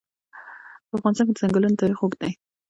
په افغانستان کې د ځنګلونه تاریخ اوږد دی.